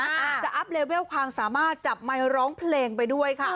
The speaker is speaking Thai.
จะอัพเลเวลความสามารถจับไมค์ร้องเพลงไปด้วยค่ะ